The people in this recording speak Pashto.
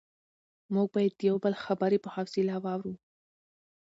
موږ باید د یو بل خبرې په حوصله واورو